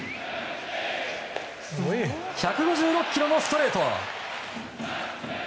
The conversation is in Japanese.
１５６キロのストレート。